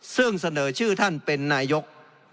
ซึ่งเสนอชื่อท่านเป็นนายก